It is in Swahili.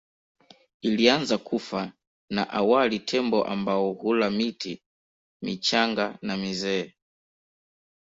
Ilianza kufa na awali Tembo ambao hula miti michanga na mizee